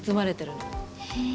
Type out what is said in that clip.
へえ。